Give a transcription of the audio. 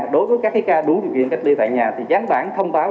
đối với các ca đủ điều kiện cách ly tại nhà thì gián bản thông báo